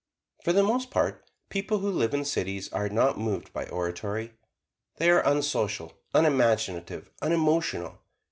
For the most part, people who live in cities are not moved by oratory; they are unsocial, unimaginative, unemotional.